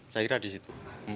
saya kira di situ